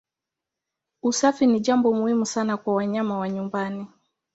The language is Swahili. Usafi ni jambo muhimu sana kwa wanyama wa nyumbani.